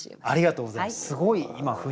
ありがとうございます。